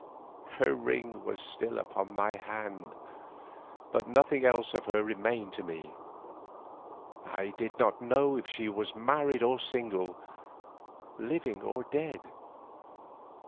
Her ring was still upon my hand, but nothing else of her remained to me. I did not know if she were married or single, living or dead.